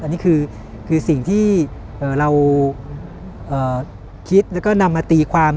อันนี้คือสิ่งที่เราคิดแล้วก็นำมาตีความ